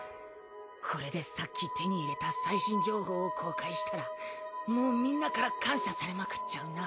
これでさっき手に入れた最新情報を公開したらもうみんなから感謝されまくっちゃうな。